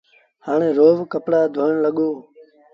هآڻي روز ڪپڙآ ڌوڻ لڳو۔